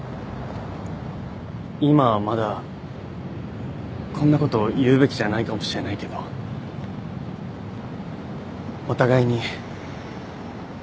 今はまだこんなこと言うべきじゃないかもしれないけどお互いに。